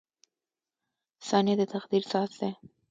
• ثانیه د تقدیر ساز دی.